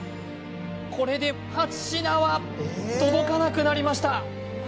これで８品は届かなくなりました